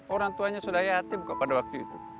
orang tuanya sudah yatim kok pada waktu itu